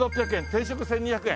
定食１２００円。